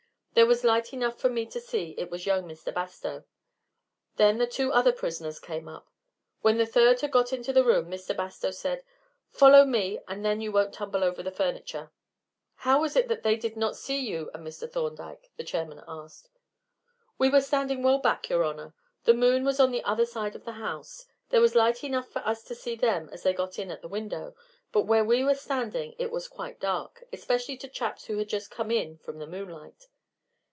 There was light enough for me to see it was young Mr. Bastow. Then the two other prisoners came up. When the third had got into the room Mr. Bastow said, 'Follow me, and then you won't tumble over the furniture.'" "How was it that they did not see you and Mr. Thorndyke?" the chairman asked. "We were standing well back, your honor. The moon was on the other side of the house. There was light enough for us to see them as they got in at the window, but where we were standing it was quite dark, especially to chaps who had just come in from the moonlight.